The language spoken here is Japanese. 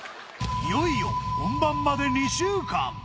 いよいよ本番まで２週間。